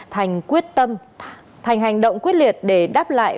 thành quyết tâm thành hành động quyết liệt để đáp lại